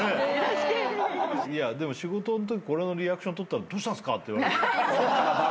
でも仕事のときこれのリアクション取ったら「どうしたんすか？」って言われるよ。